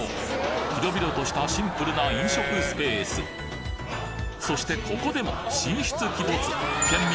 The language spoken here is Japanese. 広々としたシンプルな飲食スペースそしてここでも神出鬼没県民